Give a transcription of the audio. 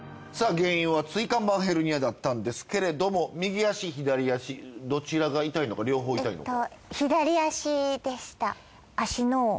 原因は椎間板ヘルニアだったんですけれども右足左足どちらが痛いのか両方痛いのか。